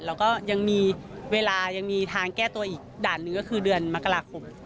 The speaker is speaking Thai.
แล้วก็ยังมีเวลายังมีทางแก้ตัวอีกด่านหนึ่งก็คือเดือนมกราคม